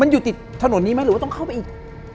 มันอยู่ติดถนนนี้ไหมหรือว่าต้องเข้าไปอีก